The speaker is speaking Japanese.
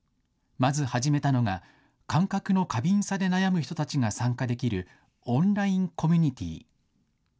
まず始めたのが感覚の過敏さで悩む人たちが参加できるオンラインコミュニティー。